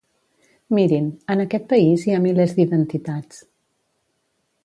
Mirin, en aquest país hi ha milers d’identitats.